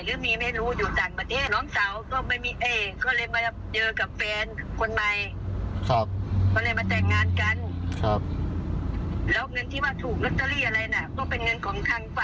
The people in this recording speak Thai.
ก็เป็นเงินของทางฝ่ายยิ้งเพราะเขาถูกยิ้ง